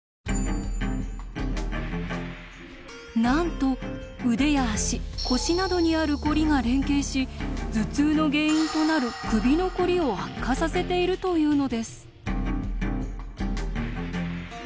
なんと腕や足腰などにあるコリが連携し頭痛の原因となる首のコリを悪化させているというのです。